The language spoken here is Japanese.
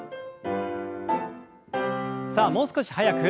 さあもう少し速く。